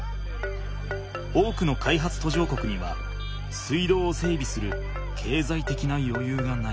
多くの開発途上国には水道を整備する経済的なよゆうがない。